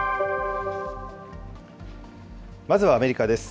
まずはアメリカです。